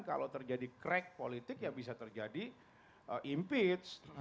kalau terjadi crack politik ya bisa terjadi impeach